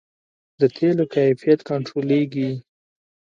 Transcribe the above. د تیلو کیفیت کنټرولیږي؟